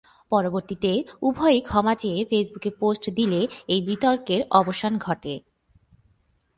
পরবর্তীতে উভয়ই ক্ষমা চেয়ে ফেসবুকে পোস্ট দিলে এই বিতর্কের অবসান ঘটে।